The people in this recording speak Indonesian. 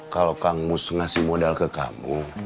kalau kang mus ngasih modal ke kamu